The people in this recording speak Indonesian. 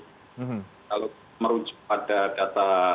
kalau merujuk pada data